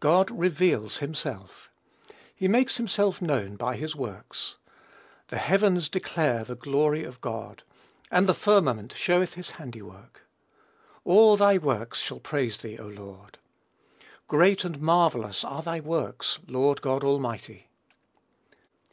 God reveals himself. He makes himself known by his works. "The heavens declare the glory of God; and the firmament showeth his handy work." "All thy works shall praise thee, O Lord." "Great and marvellous are thy works, Lord God Almighty."